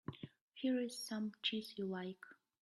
Here's some cheese you like.